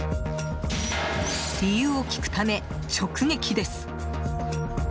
理由を聞くため、直撃です。